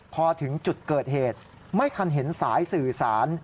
พอถึงจุดเกิดเหตุไม่ทันเห็นสายสื่อสาร